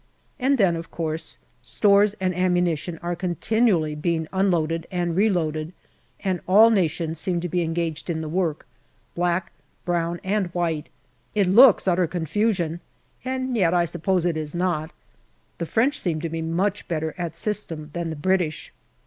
And then, of course, stores and ammunition are con tinually being unloaded and reloaded, and all nations seem to be engaged in the work black, brown, and white. It looks utter confusion, and yet I suppose it is not. The French seem to be much better at system than the British.